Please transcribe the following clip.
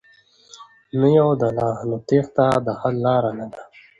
نه يوه ډله ،نو تېښته د حل لاره نه ده.